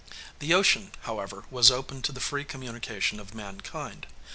The ocean, however, was open to the free communication of mankind.